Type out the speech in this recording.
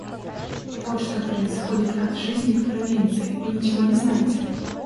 Вот что происходит от жизни в провинции, вы ничего не знаете.